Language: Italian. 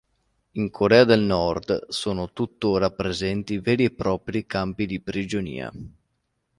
In Corea del Nord sono tuttora presenti veri e propri campi di prigionia.